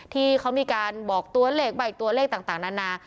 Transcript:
ที่เขามีการบอกตัวเลขใบตัวเลขต่างนานา